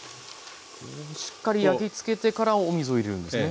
しっかり焼き付けてからお水を入れるんですね？